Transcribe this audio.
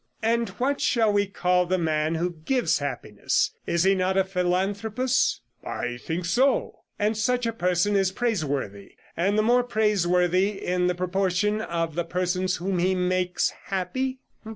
'And what shall we call the man who gives happiness? Is he not a philanthropist?' 'I think so.' 'And such a person is praiseworthy, and the more praiseworthy in the proportion of the persons whom he makes happy?